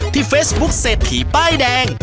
เฟซบุ๊คเศรษฐีป้ายแดง